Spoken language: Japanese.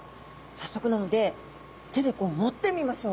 早速なので手でこう持ってみましょう。